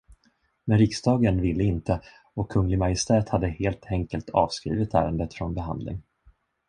Men riksdagen ville inte, och Kunglig Majestät hade helt enkelt avskrivit ärendet från behandling.